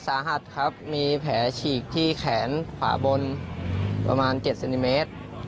สาหัสครับมีแผลฉีกที่แขนขวาบนประมาณ๗เซนติเมตร